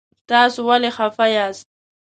تاسو ولې خفه یاست؟